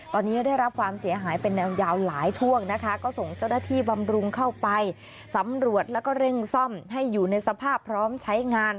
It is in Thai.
ตอนนี้ได้รับความเสียหายเป็นแนวยาวหลายช่วงนะคะก็ส่งเจ้าหน้าที่บำรุงเข้าไปสำรวจแล้วก็เร่งซ่อมให้อยู่ในสภาพพร้อมใช้งาน